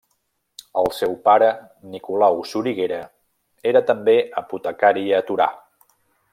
El seu pare, Nicolau Soriguera, era també apotecari a Torà.